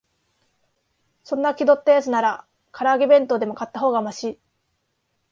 そんな気取ったやつなら、から揚げ弁当でも買ったほうがマシ